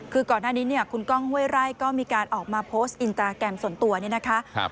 คือก่อนหน้านี้เนี่ยคุณก้องห้วยไร่ก็มีการออกมาโพสต์อินสตาแกรมส่วนตัวเนี่ยนะคะ